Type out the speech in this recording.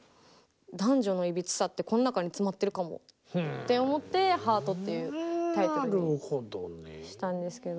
男女のいびつさってこん中に詰まってるかもって思って「ハート」っていうタイトルにしたんですけど。